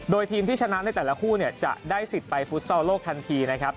โดยทีมที่ชนะในแต่ละคู่จะได้สิทธิ์ไปฟุตซอลโลกทันทีนะครับ